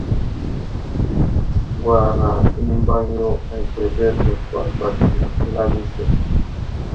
Gwara i Mbaŋ yo a dzidzerge kwa bak i lamise.